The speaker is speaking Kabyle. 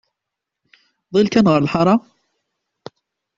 Ḍill kan ɣer lḥara!